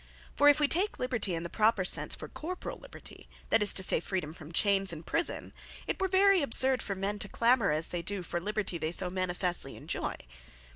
For if wee take Liberty in the proper sense, for corporall Liberty; that is to say, freedome from chains, and prison, it were very absurd for men to clamor as they doe, for the Liberty they so manifestly enjoy.